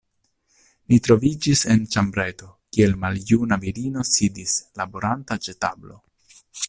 Ni troviĝis en ĉambreto, kie maljuna virino sidis laboranta ĉe tablo.